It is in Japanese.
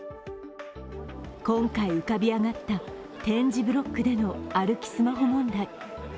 今回浮かび上がった点字ブロックでの歩きスマホ問題。